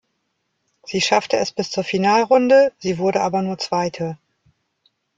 Sie schaffte es bis zur Finalrunde, sie wurde aber nur Zweite.